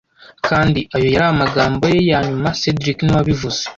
Kandi ayo yari amagambo ye yanyuma cedric niwe wabivuze